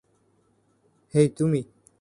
হেই, তুমি।